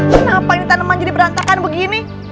kenapa ini tanaman jadi berantakan begini